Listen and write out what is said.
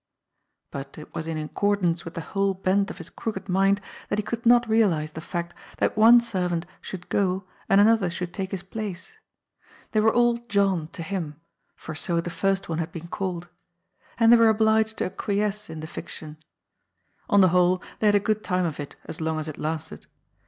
But it was in accordance with the whole bent of his crooked mind that he could not realize the fact that one servant should go and another should take his place. They were all " John " to him, for so the first one had been called. 208 GOD'S POOL. And they were obliged to acquiesce in the fiction. On the whole, they had a good time of it, as long as it lasted.